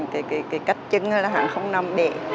cái cách chứng nó hẳn không nằm đẹp